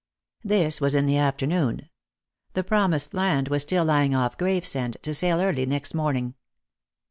This was in the afternoon. The Promised Land was still lying off Gravesend, to sail early next morning.